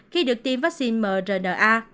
khi được tiêm vaccine mrna